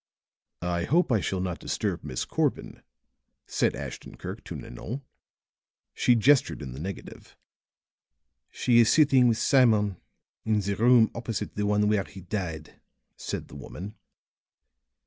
"I hope I shall not disturb Miss Corbin," said Ashton Kirk to Nanon. She gestured in the negative. "She is sitting with Simon in the room opposite the one where he died," said the woman.